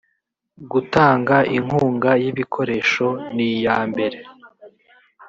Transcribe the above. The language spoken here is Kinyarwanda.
gutanga inkunga y ibikoresho n iyambere